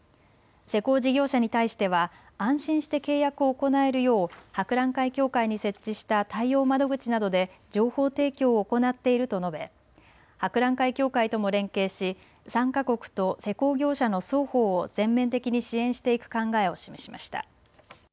施工事業者に対しては安心して契約を行えるよう博覧会協会に設置した対応窓口などで情報提供を行っていると述べ、博覧会協会とも連携し参加国と施工業者の双方を全面的に支援していく考えを示しました。